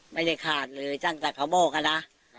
ไม่ได้ขาดเลยตั้งแต่เขาบอกอะนะ